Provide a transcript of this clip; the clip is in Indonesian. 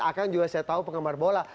akan juga saya tahu penggemar bola